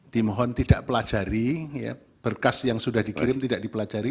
dimohon tidak pelajari berkas yang sudah dikirim tidak dipelajari